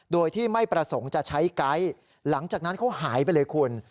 โดยที่ไม่ประสงค์จะใช้ไกด์หลังจากนั้นเขาหายไปเลยคุณ